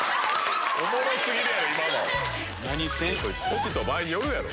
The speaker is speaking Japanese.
時と場合によるやろ。